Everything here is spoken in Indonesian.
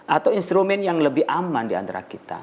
atau instrumen yang lebih aman diantara kita